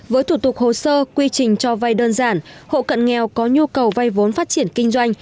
với thủ tục hồ sơ quy trình cho vay đơn giản hộ cận nghèo có nhu cầu vay vốn phát triển kinh doanh